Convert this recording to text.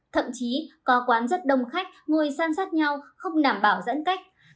thậm chí có quán rất đông khách ngồi sang sát nhau không đảm bảo giãn cách